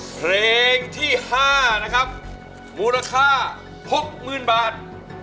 เพลงที่๕นะครับมูลค่า๖๐๐๐บาท